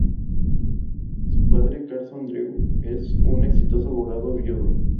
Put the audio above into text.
Su padre, Carson Drew, es un exitoso abogado viudo.